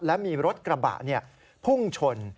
และมีรถกระบะพุ่งชน